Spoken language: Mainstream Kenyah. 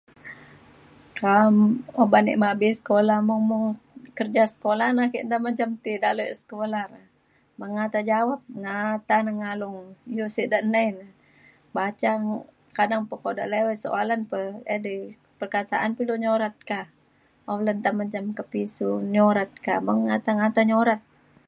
Ka’am uban e me habis sekula mung mung kerja sekolah na ake nta menjam ti dalau e sekolah re. Mengata jawab ngata ne ngalung iu’ sek da nai ne baca kadang pa kuda liwai soalan pe edei perkataan pe ilu nyurat ka. O le nta menjam ke pisu nyurat ka mengata ngata nyurat.